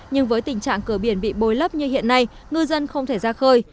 nhưng với tình trạng cửa biển bị bôi lấp như hiện nay ngư dân không thể ra khơi